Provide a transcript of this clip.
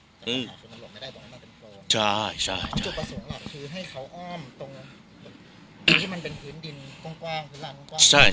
จุดประสงค์หลักคือให้เขาอ้อมตรงที่มันเป็นขึ้นดินกว้าง